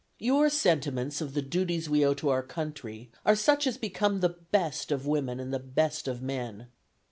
"Your sentiments of the duties we owe to our country are such as become the best of women and the best of men.